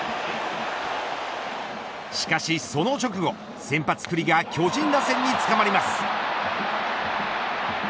しかしその直後先発、九里が巨人打線につかまります。